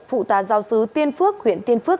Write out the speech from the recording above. phụ tà giáo sứ tiên phước huyện tiên phước